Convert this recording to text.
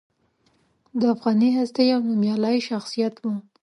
د افغاني هستې یو نومیالی شخصیت و.